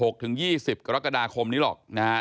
๑๖๒๐กรกฎาคมนี้หรอกนะฮะ